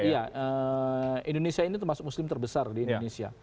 iya indonesia ini termasuk muslim terbesar di indonesia